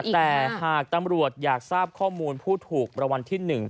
แต่หากตำรวจอยากทราบข้อมูลผู้ถูกรางวัลที่๑